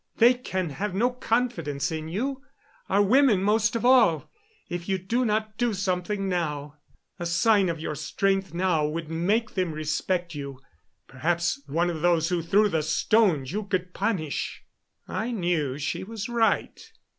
They can have no confidence in you our women most of all if you do not do something now. A sign of your strength now would make them respect you perhaps one of those who threw the stones you could punish." I knew she was right.